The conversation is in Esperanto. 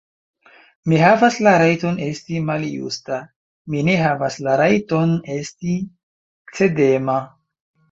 Mi havas la rajton esti maljusta; mi ne havas la rajton esti cedema.